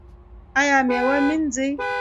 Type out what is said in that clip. ایا میوه مینځئ؟